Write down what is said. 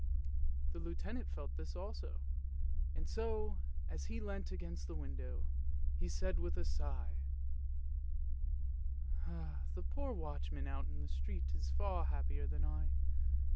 The Lieutenant felt this also, and so, as he leant against the window, he said with a sigh, — "The poor watchman out in the street is far happier than I!